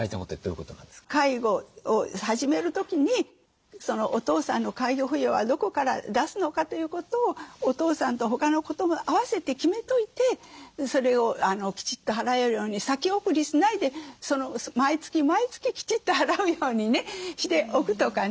介護を始める時にお父さんの介護費用はどこから出すのかということをお父さんと他のことも併せて決めといてそれをきちっと払えるように先送りしないで毎月毎月きちっと払うようにねしておくとかね。